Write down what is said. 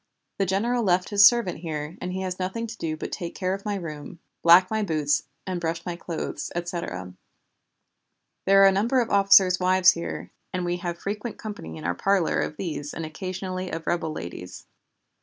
The general left his servant here, and he has nothing to do but take care of my room, black my boots, and brush my clothes, etc. There are a number of officers' wives here, and we have frequent company in our parlor of these and occasionally of rebel ladies.